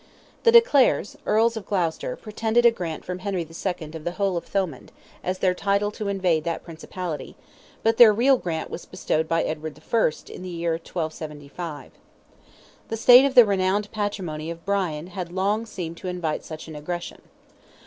The de Clares, Earls of Gloucester, pretended a grant from Henry II. of the whole of Thomond, as their title to invade that principality; but their real grant was bestowed by Edward I., in the year 1275. The state of the renowned patrimony of Brian had long seemed to invite such an aggression.